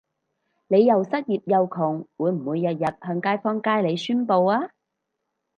你又失業又窮會唔會日日向街坊街里宣佈吖？